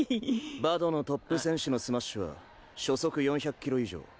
バドのトップ選手のスマッシュは初速４００キロ以上。